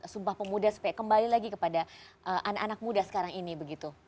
sumpah pemuda supaya kembali lagi kepada anak anak muda sekarang ini begitu